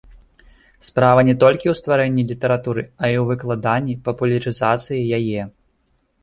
Справа не толькі ў стварэнні літаратуры, а і ў выкладанні, папулярызацыі яе.